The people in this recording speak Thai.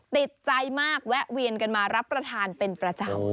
ติดใจมากแวะเวียนกันมารับประทานเป็นประจำ